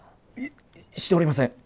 しておりません！